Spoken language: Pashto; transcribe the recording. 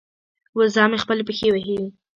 وزه مې خپلې پښې وهي.